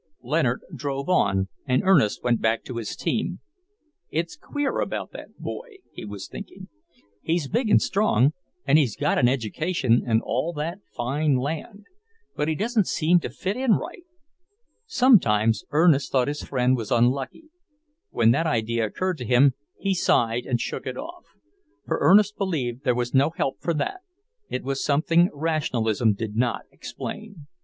Leonard drove on, and Ernest went back to his team. "It's queer about that boy," he was thinking. "He's big and strong, and he's got an education and all that fine land, but he don't seem to fit in right." Sometimes Ernest thought his friend was unlucky. When that idea occurred to him, he sighed and shook it off. For Ernest believed there was no help for that; it was something rationalism did not explain.